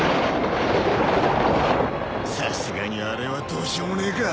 さすがにあれはどうしようもねえか。